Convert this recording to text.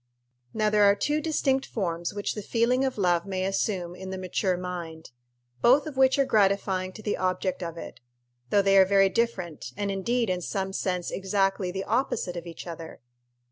_ Now there are two distinct forms which the feeling of love may assume in the mature mind, both of which are gratifying to the object of it, though they are very different, and indeed in some sense exactly the opposite of each other.